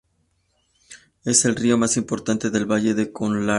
Es el río más importante del Valle de Conlara.